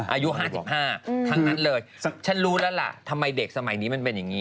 อายุ๕๕ทั้งนั้นเลยฉันรู้แล้วล่ะทำไมเด็กสมัยนี้มันเป็นอย่างนี้